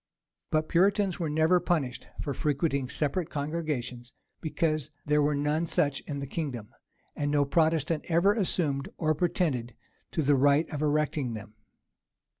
But Puritans were never punished for frequenting separate congregations; because there were none such in the kingdom; and no Protestant ever assumed or pretended to the right of erecting them.